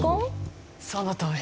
そのとおり。